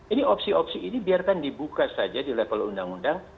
ini opsi opsi ini biarkan dibuka saja di level undang undang